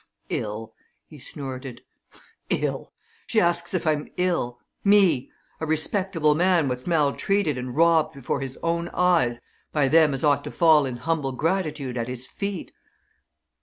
"Ill!" he snorted. "Ill! She asks if I'm ill me, a respectable man what's maltreated and robbed before his own eyes by them as ought to fall in humble gratitude at his feet!